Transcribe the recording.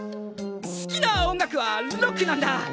好きな音楽はロックなんだ！